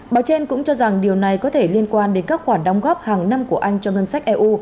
báo trên cũng cho rằng điều này có thể liên quan đến các quản đóng góp hàng năm của anh trong thân sách eu